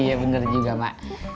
iya bener juga mak